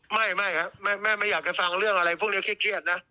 ไม่ครับแม่ไม่อยากจะฟังเรื่องอะไรพวกนี้เครียดนะ